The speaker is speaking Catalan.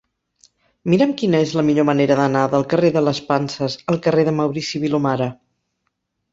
Mira'm quina és la millor manera d'anar del carrer de les Panses al carrer de Maurici Vilomara.